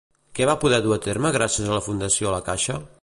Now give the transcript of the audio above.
Què va poder dur a terme gràcies a la Fundació la Caixa?